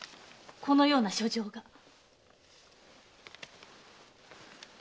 このような書状が。